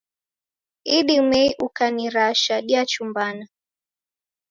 Idimei ukanirasha, diachumbana.